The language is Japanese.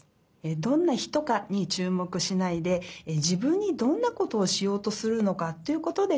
どんな人かにちゅうもくしないでじぶんにどんなことをしようとするのかということでかんがえます。